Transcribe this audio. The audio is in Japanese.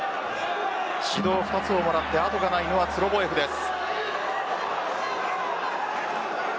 指導２をもらって後がないのはツロボエフです。